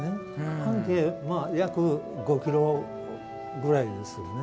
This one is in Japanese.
半径約５ｋｍぐらいですけどね。